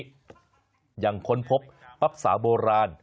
และนอกจากนี้ยังค้นพบปรับศาสตร์โบราณ